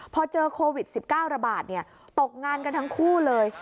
พอเจอโควิด๑๙ระบาดตกงานกันทั้งคู่เลย